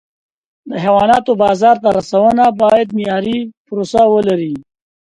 د حیواناتو بازار ته رسونه باید معیاري پروسه ولري.